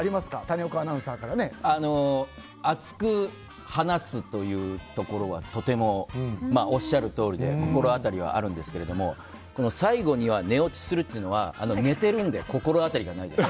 熱く話すというところはとてもおっしゃるとおりで心当たりはあるんですけども最後には寝落ちするっていうのは寝ているので心当たりがないです。